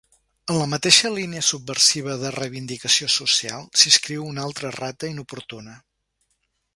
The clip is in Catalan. En la mateixa línia subversiva de reivindicació social s'inscriu una altra errata inoportuna.